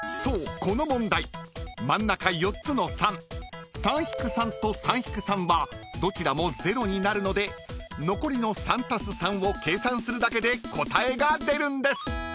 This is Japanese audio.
この問題真ん中４つの３３−３と３−３はどちらも０になるので残りの３＋３を計算するだけで答えが出るんです］